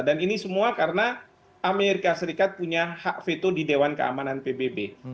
dan ini semua karena amerika serikat punya hak fitur di dewan keamanan pbb